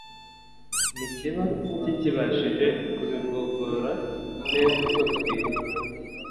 ntikiba kikibashije kubigogora neza uko bikwiriye.